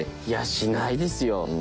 いやしないですよ。